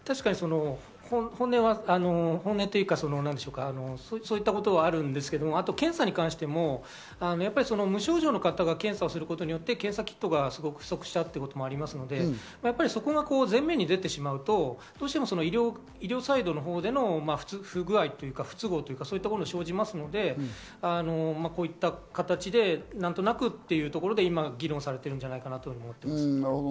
確かに、そういったことはあるんですけど、検査に関しても無症状の方が検査をすることによって検査キットが不足しちゃうということもありますので、そこが前面に出てしまうと医療サイドのほうでの不具合というか不都合が生じますので、こういった形で何となくっていうところで、今、議論されるんじゃないかなと思います。